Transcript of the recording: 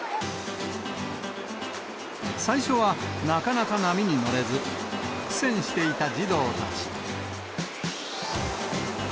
最初はなかなか波に乗れず、苦戦していた児童たち。